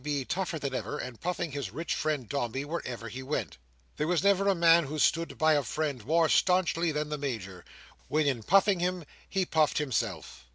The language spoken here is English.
B. tougher than ever, and puffing his rich friend Dombey wherever he went. There never was a man who stood by a friend more staunchly than the Major, when in puffing him, he puffed himself.